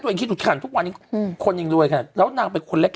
ตัวเองคิดถูกฝันทุกวันนี้คนยังรวยด้วยแล้วตัวนางเป็นคนแรก